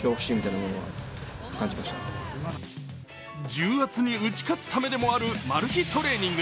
重圧に打ち勝つためでもあるマル秘トレーニング。